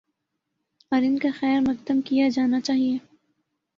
اور ان کا خیر مقدم کیا جانا چاہیے۔